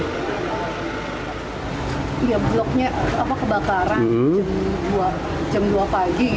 ya bloknya kebakaran jam dua pagi